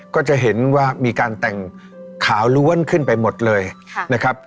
ก็จะเห็นว่ามีการแต่งขาวล้วนขึ้นไปหมดเลยนะครับ